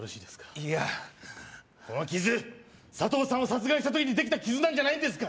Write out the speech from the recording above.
いやこの傷サトウさんを殺害した時にできた傷なんじゃないんですか？